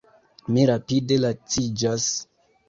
Mi rapide laciĝas.